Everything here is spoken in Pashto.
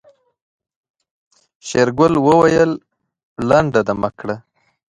شېرګل وويل لنډه دمه کړه.